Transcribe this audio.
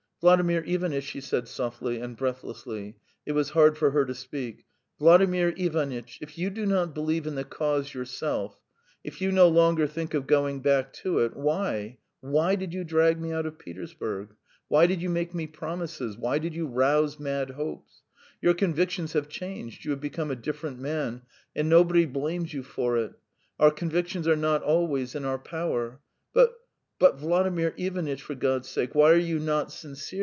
"Vladimir Ivanitch," she said softly and breathlessly; it was hard for her to speak "Vladimir Ivanitch, if you do not believe in the cause yourself, if you no longer think of going back to it, why ... why did you drag me out of Petersburg? Why did you make me promises, why did you rouse mad hopes? Your convictions have changed; you have become a different man, and nobody blames you for it our convictions are not always in our power. But ... but, Vladimir Ivanitch, for God's sake, why are you not sincere?"